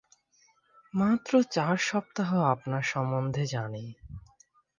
মাত্র চার সপ্তাহ আপনার সম্বন্ধে জানি।